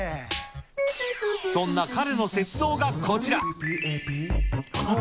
そんな彼の雪像がこちら。